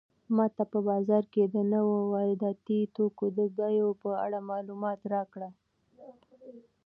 ماته په بازار کې د نويو وارداتي توکو د بیو په اړه معلومات راکړه.